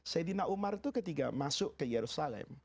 sayyidina umar itu ketika masuk ke yerusalem